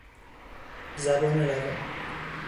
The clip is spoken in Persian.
زبان روان